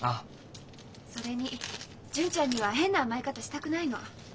それに純ちゃんには変な甘え方したくないの。